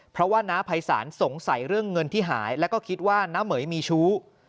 เพราะว่าน้าภัยศาลสงสัยเรื่องเงินที่หายแล้วก็คิดว่าน้าเหม๋ยมีชู้